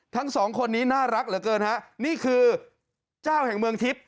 ทั้งสองคนนี้น่ารักเหลือเกินฮะนี่คือเจ้าแห่งเมืองทิพย์